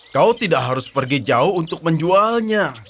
kau tidak harus pergi jauh untuk menjualnya